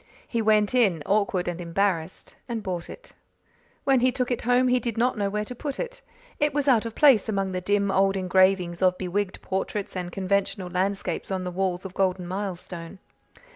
He went in, awkward and embarrassed, and bought it. When he took it home he did not know where to put it. It was out of place among the dim old engravings of bewigged portraits and conventional landscapes on the walls of Golden Milestone.